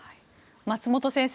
松本先生